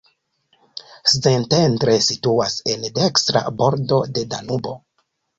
Szentendre situas en dekstra bordo de Danubo.